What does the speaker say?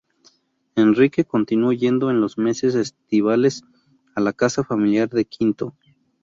Enrique continuó yendo en los meses estivales a la casa familiar de Quinto.